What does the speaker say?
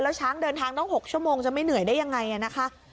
ช้างเดินทางต้อง๖ชั่วโมงจะไม่เหนื่อยได้ยังไงนะคะ